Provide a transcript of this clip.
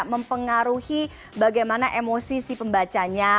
mempengaruhi bagaimana emosi si pembacanya